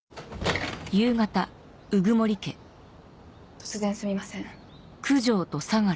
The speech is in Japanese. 突然すみません。